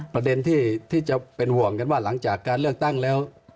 ประเด็นที่จะเป็นห่วงกันว่าหลังจากการเลือกตั้งแล้ว